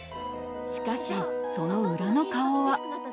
しかしその裏の顔は。